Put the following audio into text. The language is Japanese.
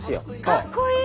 かっこいい！